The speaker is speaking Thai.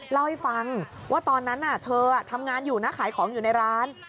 เล่าให้ฟังว่าตอนนั้นเธอทำงานอยู่นะขายของอยู่ในร้าน